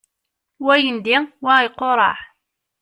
Wa yendi, wa iqureɛ.